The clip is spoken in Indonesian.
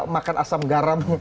makan asam garam